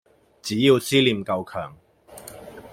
只要思念夠强